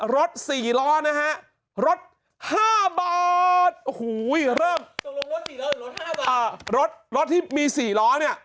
รถสี่ล้อนะฮะรถห้าบอร์ดโอ้โหเริ่มรถที่มีสี่ล้อเนี้ย